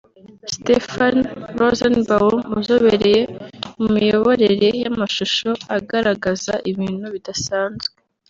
Stephen Rosenbaum uzobereye mu miyoborere y’amashusho agaragaza ibintu bidasanzwe